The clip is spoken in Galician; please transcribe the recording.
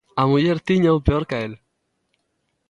A muller tíñao peor ca el.